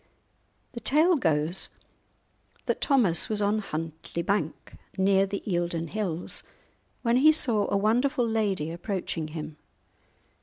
The tale goes that Thomas was on Huntlie bank, near the Eildon Hills, when he saw a wonderful lady approaching him.